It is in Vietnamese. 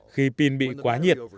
khi pin bị quá nhiệt